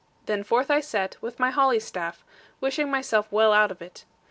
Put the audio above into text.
Then forth I set, with my holly staff, wishing myself well out of it.